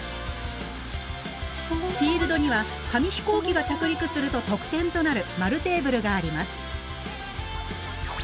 フィールドには紙飛行機が着陸すると得点となる円テーブルがあります。